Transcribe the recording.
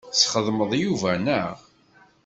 Tesxedmeḍ Yuba, naɣ?